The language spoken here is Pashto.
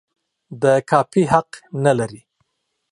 د کاپي حق نه لري.